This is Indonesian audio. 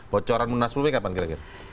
bocoran munas pulmi kapan kira kira